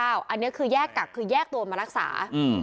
อันนี้คือแยกกักคือแยกตัวมารักษา